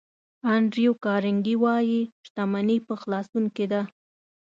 انډریو کارنګي وایي شتمني په خلاصون کې ده.